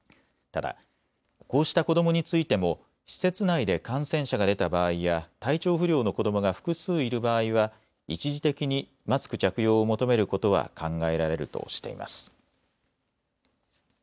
ただ、こうした子どもについても施設内で感染者が出た場合や体調不良の子どもが複数いる場合は一時的にマスク着用を求めることは考えられるとしています。